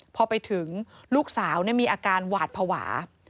พอไปถึงลูกสาวมีอาการหวาดภาวะ